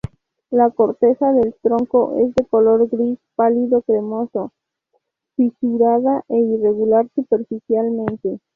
La corteza del tronco es de color gris pálido cremoso, fisurada e irregular superficialmente.